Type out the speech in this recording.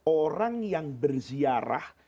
orang yang berziarah